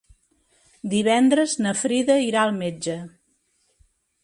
Divendres na Frida irà al metge.